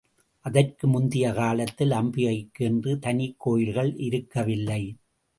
அதற்கு முந்திய காலத்தில் அம்பிகைக்கு என்று தனிக் கோயில்கள் இருக்கவில்லை.